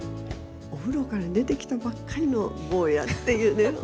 お風呂から出てきたばっかりの坊やっていうね。